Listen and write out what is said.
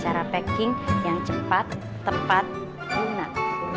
cara packing yang cepat tepat lunak